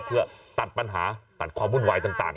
เพื่อตัดปัญหาตัดความวุ่นวายต่าง